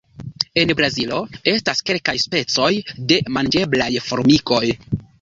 En Brazilo estas kelkaj specoj de manĝeblaj formikoj.